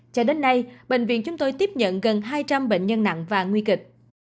cho đến nay bệnh viện chúng tôi tiếp nhận gần hai trăm linh bệnh nhân nặng và nguy kịch